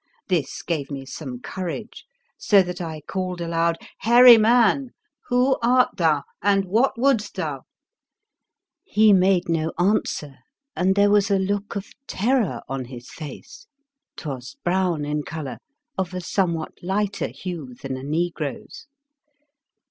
This gave me some courage, so that I called aloud: II Hairy man! who art thou, and what woulds't thou? " 43 The Fearsome Island He made no answer, and there was a look of terror on his face — 'twas brown in colour, of a somewhat lighter hue than a Negro's.